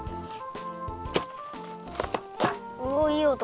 おおいいおと。